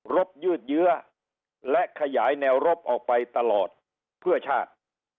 บยืดเยื้อและขยายแนวรบออกไปตลอดเพื่อชาติ